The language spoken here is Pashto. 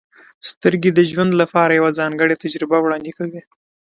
• سترګې د ژوند لپاره یوه ځانګړې تجربه وړاندې کوي.